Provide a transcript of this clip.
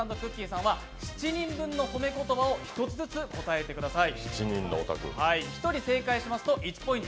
さんは、７人分の褒め言葉を１つずつ答えてください。